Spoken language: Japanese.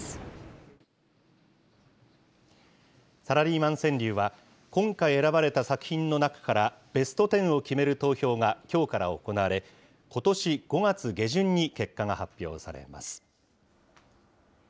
サラリーマン川柳は、今回選ばれた作品の中からベスト１０を決める投票がきょうから行われ、ことし５月下旬に結果が発表されます。